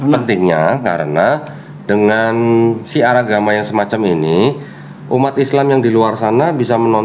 pentingnya karena dengan siar agama yang semacam ini umat islam yang di luar sana bisa menonton